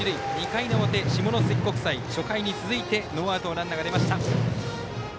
２回の表、下関国際初回に続いてノーアウトのランナーが出ました。